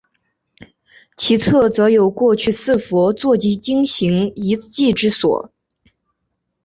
其侧则有过去四佛坐及经行遗迹之所。